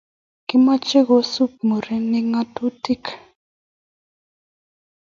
Kimache kosup murenik ng'otutik